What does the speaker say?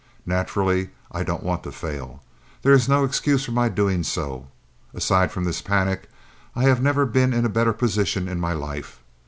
Naturally, I don't want to fail. There is no excuse for my doing so. Aside from this panic I have never been in a better position in my life.